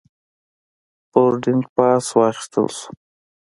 بوردینګ پاس واخیستل شو.